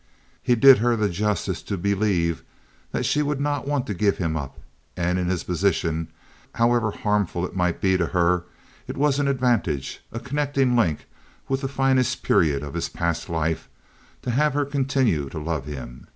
He did her the justice to believe that she would not want to give him up; and in his position, however harmful it might be to her, it was an advantage, a connecting link with the finest period of his past life, to have her continue to love him.